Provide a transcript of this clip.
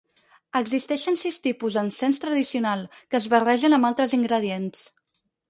Existeixen sis tipus d'encens tradicional, que es barregen amb altres ingredients.